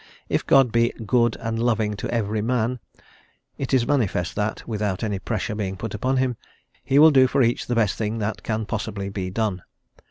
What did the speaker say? If God be "good and loving to every man," it is manifest that, without any pressure being put upon him, he will do for each the best thing that can possibly be done.